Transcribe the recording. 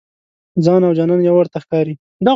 ځان او جانان یو ورته ښکاري.